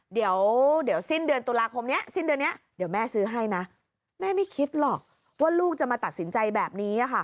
เดี๋ยวสิ้นเดือนตุลาคมนี้สิ้นเดือนนี้เดี๋ยวแม่ซื้อให้นะแม่ไม่คิดหรอกว่าลูกจะมาตัดสินใจแบบนี้